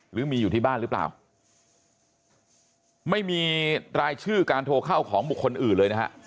หรือมีอยู่ที่บ้านหรือเปล่าไม่มีรายชื่อการโทรเข้าของบุคคลอื่นเลยนะฮะ